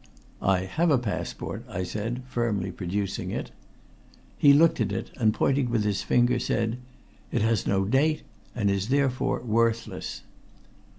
"I have a passport," I said firmly, producing it. He looked at it, and pointing with his finger, said: "It has no date, and is therefore worthless."